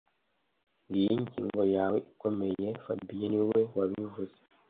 Ngiyo ingingo yawe ikomeye fabien niwe wabivuze